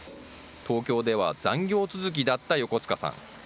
東京では残業続きだった横塚さん。